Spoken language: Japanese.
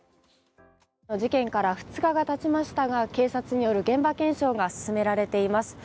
事件から２日がたちましたが警察による現場検証が進められています。